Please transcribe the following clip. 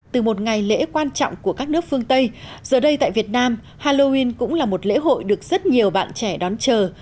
từ một ngày lễ quan trọng của các nước phương tây giờ đây tại việt nam halloween cũng là một lễ hội được rất nhiều bạn trẻ đón chờ